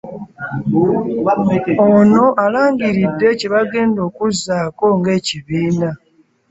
Ono alangiridde kye bagenda okuzzaako ng'ekibiina